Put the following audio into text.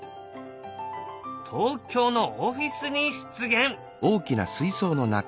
東京のオフィスに出現。